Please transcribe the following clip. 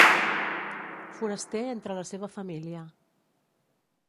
Foraster entre la seva família